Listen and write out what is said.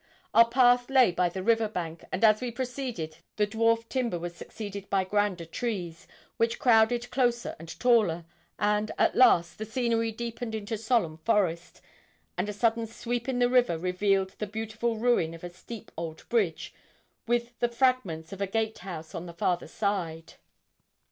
Our path lay by the river bank, and as we proceeded, the dwarf timber was succeeded by grander trees, which crowded closer and taller, and, at last, the scenery deepened into solemn forest, and a sudden sweep in the river revealed the beautiful ruin of a steep old bridge, with the fragments of a gate house on the farther side.